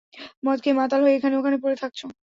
মদ খেয়ে মাতাল হয়ে এখানে ওখানে পড়ে থাকছো।